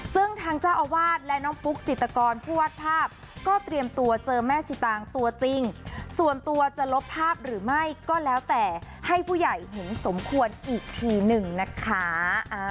ซึ่งทางเจ้าอาวาสและน้องปุ๊กจิตกรผู้วาดภาพก็เตรียมตัวเจอแม่สิตางค์ตัวจริงส่วนตัวจะลบภาพหรือไม่ก็แล้วแต่ให้ผู้ใหญ่เห็นสมควรอีกทีหนึ่งนะคะ